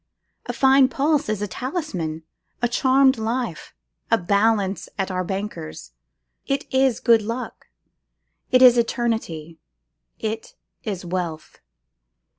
A fine pulse is a talisman; a charmed life; a balance at our bankers. It is good luck; it is eternity; it is wealth.